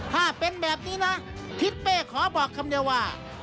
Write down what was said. ถ้าเป็นแบบนี้นะทิศเป้ขอบอกคำเดียวว่า